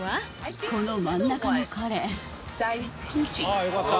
ああよかった。